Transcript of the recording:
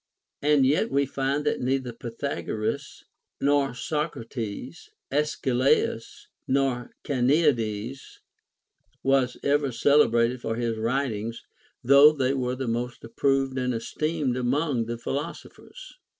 And yet we find that neither Pythagoras nor Socrates, Arcesilaus nor Carneades, was ever celebrated for his writings, though they were the most approved and esteemed among all the philosophers.